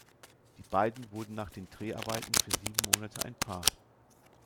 Die beiden wurden nach den Dreharbeiten für sieben Monate ein Paar.